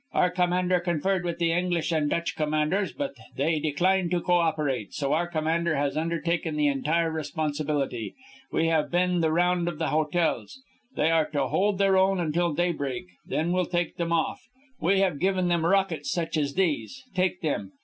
Our commander conferred with the English and Dutch commanders; but they declined to cooperate, so our commander has undertaken the entire responsibility. We have been the round of the hotels. They are to hold their own until daybreak, when we'll take them off. We have given them rockets such as these. Take them.